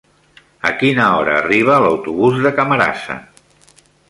A quina hora arriba l'autobús de Camarasa?